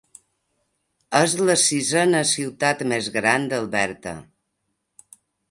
És la sisena ciutat més gran d'Alberta.